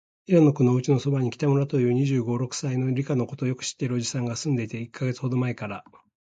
平野君のおうちのそばに、北村という、二十五、六歳の、理科のことをよく知っているおじさんがすんでいて、一月ほどまえから、